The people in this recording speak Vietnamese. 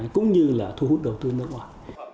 cũng như là thu hút đầu tư nước ngoài